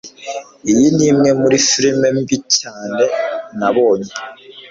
Iyi ni imwe muri firime mbi cyane nabonye